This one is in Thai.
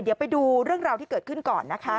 เดี๋ยวไปดูเรื่องราวที่เกิดขึ้นก่อนนะคะ